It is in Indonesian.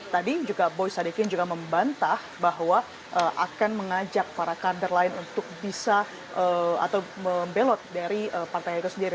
tadi juga boy sadikin juga membantah bahwa akan mengajak para kader lain untuk bisa atau membelot dari partai itu sendiri